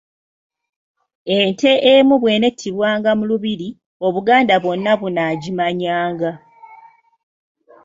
Ente emu bw'enettibwanga mu Lubiri, Obuganda bwonna bunaagimanyanga.